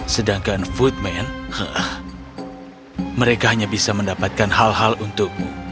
sedangkan footman hei hei hei mereka hanya bisa mendapatkan hal hal untukmu